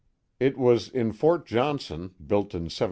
It was in Fort Johnson, built in 1743.